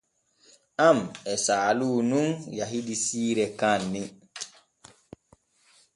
An e Saalu nun yahidi siire kaanni.